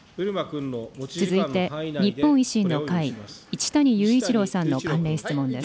続いて、日本維新の会、一谷勇一郎さんの関連質問です。